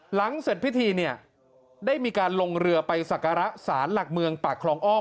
หลังเสร็จพิธีได้มีการลงเรือไปศักรรณ์ศาลหลักเมืองปากคลองอ้อม